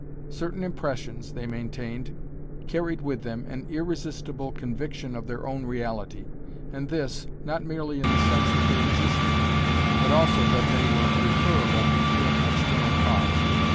Certain impressions, they maintained, carried with them an irresistible conviction of their own reality, and this, not merely in the sense that they existed; but also that they were referable to an external cause.